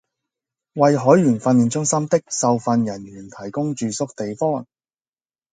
為海員訓練中心的受訓人員提供住宿地方